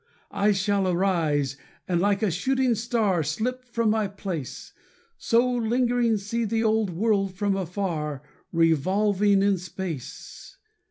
I shall arise, and like a shooting star Slip from my place; So lingering see the old world from afar Revolve in space.